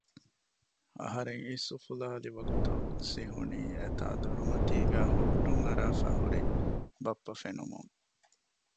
އަހަރެން އިސް އުފުލާލިވަގުތު ސިހުނީ އެތާ ދޮރުމަތީގައި ހުއްޓުން އަރާފައި ހުރި ބައްޕަ ފެނުމުން